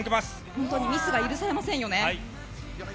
本当にミスが許されませんよね。